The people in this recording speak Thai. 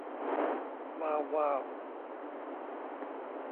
วาว วาว